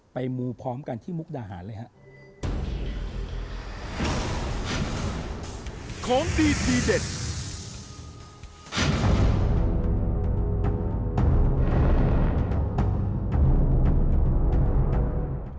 ไปมือพร้อมกันที่มุกดาหารเลยฮะ